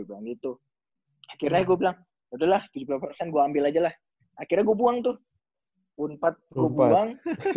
akhirnya gue bilang yaudahlah tujuh puluh gue ambil aja lah akhirnya gue buang tuh u empat gue buang